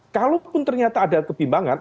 kalaupun ternyata ada kebimbangan